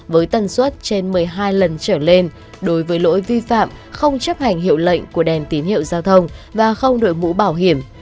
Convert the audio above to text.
với tần suất trên một mươi hai lần trở lên đối với lỗi vi phạm không chấp hành hiệu lệnh của đèn tín hiệu giao thông và không đội mũ bảo hiểm